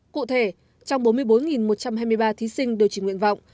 cụ thể trong bốn mươi bốn một trăm hai mươi ba thí sinh điều chỉnh nguyện vọng